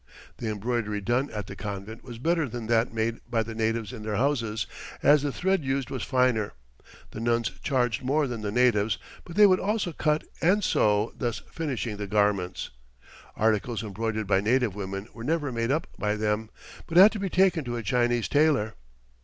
The embroidery done at the convent was better than that made by the natives in their houses, as the thread used was finer. The nuns charged more than the natives, but they would also cut and sew, thus finishing the garments. Articles embroidered by native women were never made up by them, but had to be taken to a Chinese tailor.